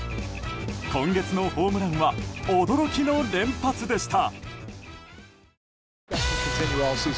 今月のホームランは驚きの連発でした。